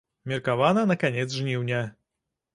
Меркавана на канец жніўня.